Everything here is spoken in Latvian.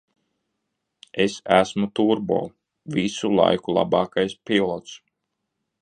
Es esmu Turbo, visu laiku labākais pilots!